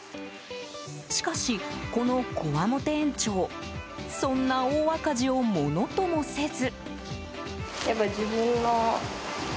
しかし、このこわもて園長そんな大赤字をものともせず。